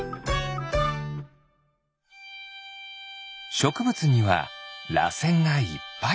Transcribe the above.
しょくぶつにはらせんがいっぱい。